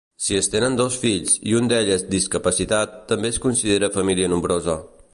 Si es tenen dos fills i un d'ells és discapacitat també es considera família nombrosa.